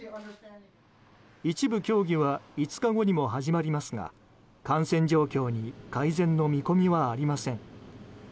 一部競技は５日後にも始まりますが感染状況に改善の見込みはありません。